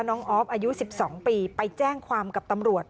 ออฟอายุ๑๒ปีไปแจ้งความกับตำรวจ